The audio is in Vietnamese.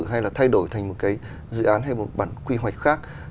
hay là thay đổi thành một cái dự án hay một bản quy hoạch khác